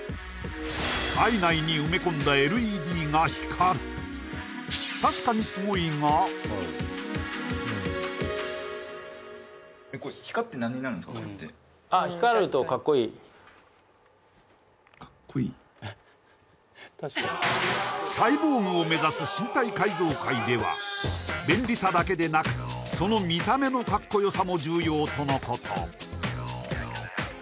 体内に埋め込んだＬＥＤが光るサイボーグを目指す身体改造界では便利さだけでなくその見た目のカッコよさも重要とのことそして